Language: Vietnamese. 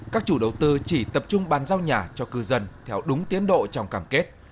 các chủ đầu tư chỉ tập trung bàn giao nhà cho cư dân theo đúng tiến độ trong cảm kết